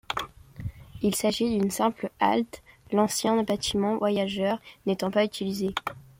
Il s’agit d’une simple halte, l'ancien bâtiment voyageurs n'étant pas utilisé.